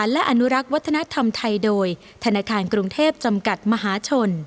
และอนุรักษ์วัฒนธรรมไทยโดยธนาคารกรุงเทพจำกัดมหาชน